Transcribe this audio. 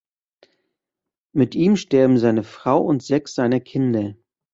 Mit ihm sterben seine Frau und sechs seiner Kinder.